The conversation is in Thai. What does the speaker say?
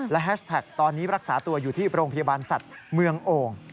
และแฮชแท็กตอนนี้รักษาตัวอยู่ที่โรงพยาบาลสัตว์เมืองโอ่ง